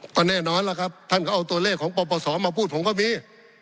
ก็แน่นอนล่ะครับท่านก็เอาตัวเลขของปปศมาพูดผมก็มี